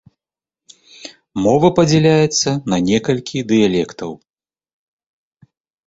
Мова падзяляецца на некалькі дыялектаў.